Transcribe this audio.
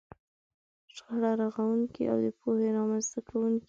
شخړه رغونکې او د پوهې رامنځته کوونکې ده.